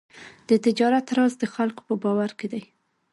د تجارت راز د خلکو په باور کې دی.